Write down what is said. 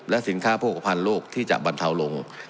และสินค้าโภคภัณฑ์โลกที่จะบรรเทาลง